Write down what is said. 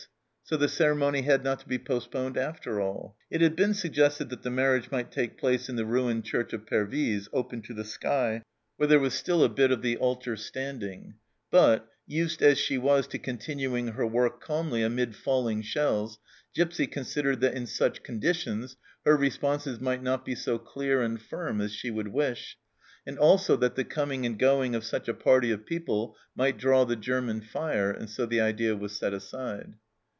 So the ceremony had not to be postponed, after all ! It had been suggested that the marriage might take place in the ruined church of Pervyse, open to the sky, where there was still a bit of the altar standing, but, used as she was to continuing her work calmly amid falling shells, Gipsy considered that in such conditions her responses might not be so clear and firm as she would wish, and also that the coming and going of such a party of people might draw the German fire, arid so the idea was set aside.